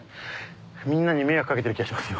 みんなに迷惑掛けてる気がします